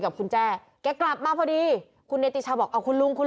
กับคุณแจ้แกกลับมาพอดีคุณเนติชาวบอกเอาคุณลุงคุณ